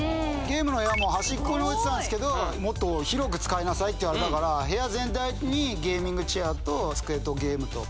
ゲームの部屋も端っこに置いてたんですけどもっと広く使いなさいって言われたから部屋全体にゲーミングチェアと机とゲームと。